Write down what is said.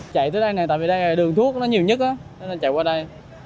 chạy tới đây này tại vì đây là đường thuốc nó nhiều nhất nên chạy qua đây